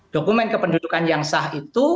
dokumen kependudukan yang sah itu